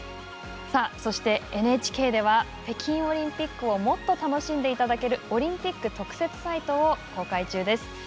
そして、ＮＨＫでは北京オリンピックをもっと楽しんでいただけるオリンピック特設サイトを公開中です。